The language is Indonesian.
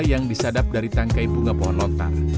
yang disadap dari tangkai bunga pohon lontar